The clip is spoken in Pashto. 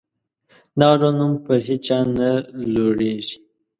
دغه ډول نوم پر هیچا نه لورېږي.